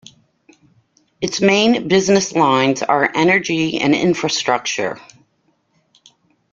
Its main business lines are Energy and Infrastructure.